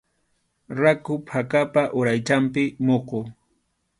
Rakhu phakapa uraychanpi muqu.